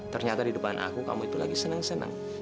ternyata di depan aku kamu itu lagi seneng seneng